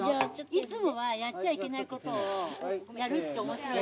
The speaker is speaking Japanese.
いつもはやっちゃいけないことをやるっておもしろいね。